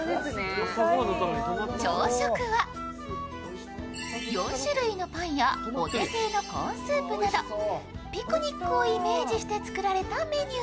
朝食は４種類のパンやお手製のコーンスープなどピクニックをイメージして作られたメニュー。